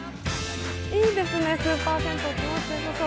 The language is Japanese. いいですね、スーパー先頭。